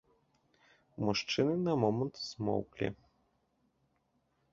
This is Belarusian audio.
Мужчыны на момант змоўклі.